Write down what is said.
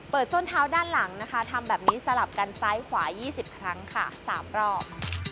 ส้นเท้าด้านหลังนะคะทำแบบนี้สลับกันซ้ายขวา๒๐ครั้งค่ะ๓รอบ